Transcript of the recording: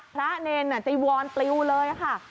พระเนรนดิวอลปลิวเลยค่ะ